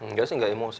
nggak sih nggak emosi